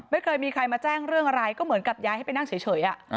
ไม่เคยมีใครมาแจ้งเรื่องอะไรก็เหมือนกับย้ายให้ไปนั่งเฉย